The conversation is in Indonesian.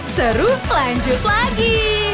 seru lanjut lagi